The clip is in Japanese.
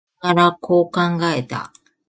登りながら、こう考えた。